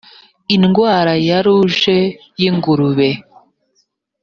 indwara ya ruje y’ingurube